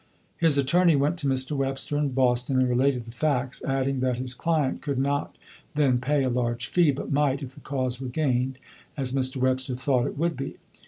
His attorney went to Mr. Webster in Boston and related the facts, adding that his client could not then pay a large fee, but might, if the cause were gained, as Mr. Webster thought it would be.